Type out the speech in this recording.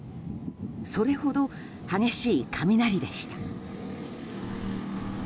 それほど激しい雷でした。